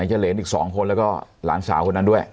ไหนจะเหลนอีกสองคนแล้วก็หลานสาวคนนั้นด้วย